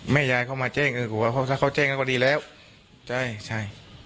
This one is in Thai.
แม่ยายเข้ามาแจ้งเออเขาแจ้งก็ดีแล้วใช่ใช่